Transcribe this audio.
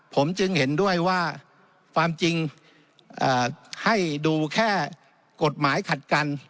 ผมจึงเห็นด้วยว่าความจริงให้ดูแค่กฎหมายขัดกัน